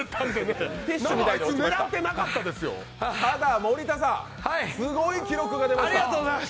ただ、森田さん、すごい記録が出ました。